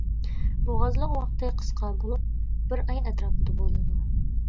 بوغازلىق ۋاقتى قىسقا بولۇپ، بىر ئاي ئەتراپىدا بولىدۇ.